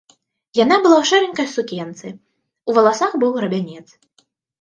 Яна была ў шэранькай сукенцы, у валасах быў грабянец.